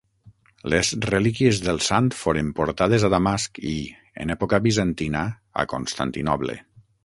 Les relíquies del sant foren portades a Damasc i, en època bizantina, a Constantinoble.